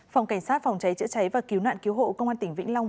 phòng cảnh sát phòng cháy chữa cháy và cứu nạn cứu hộ công an tỉnh vĩnh long